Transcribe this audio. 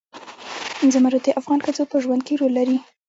زمرد د افغان ښځو په ژوند کې رول لري.